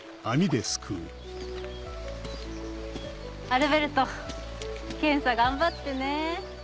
アルベルト検査頑張ってね。